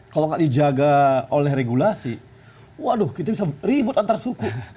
kalau nggak dijaga oleh regulasi waduh kita bisa ribut antar suku